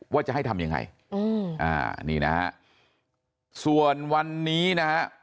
ว่าจะให้ทำยังไงอืมอ่านี่นะฮะส่วนวันนี้นะฮะ